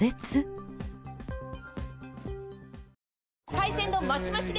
海鮮丼マシマシで！